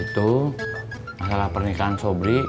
itu masalah pernikahan sobri